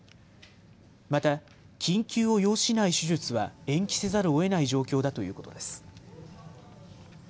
また緊急を要しない手術は延期せざるをえない状況だということです。